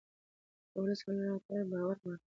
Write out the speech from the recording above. د ولس ملاتړ باور غواړي